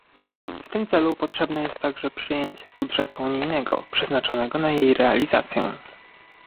W tym celu potrzebne jest także przyjęcie budżetu unijnego przeznaczonego na jej realizację